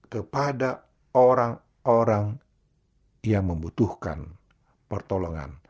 kepada orang orang yang membutuhkan pertolongan